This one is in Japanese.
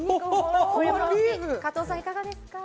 加藤さん、いかがですか？